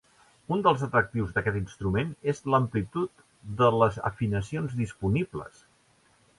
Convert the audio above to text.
Un dels atractius d'aquest instrument és l'amplitud de les afinacions disponibles.